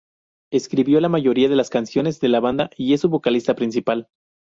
Escribió la mayoría de las canciones de la banda y es su vocalista principal.